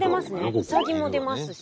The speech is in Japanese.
ウサギも出ますし。